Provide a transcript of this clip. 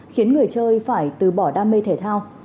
khiến người chơi phải từ bỏ đam mê thể thao